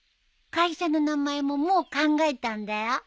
会社の名前ももう考えたんだよ。